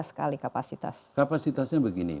sekali kapasitas kapasitasnya begini